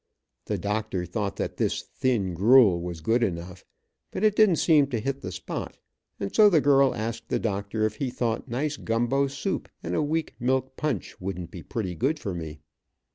The doctor thought that this thin gruel was good enough, but it didn't seem to hit the spot, and so the girl asked the doctor if he thought nice gumbo soup and a weak milk punch wouldn't be pretty good for me.